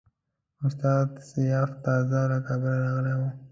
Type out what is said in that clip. استاد سیاف تازه له کابله راغلی وو.